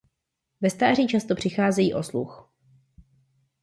Ve stáří často přicházejí o sluch.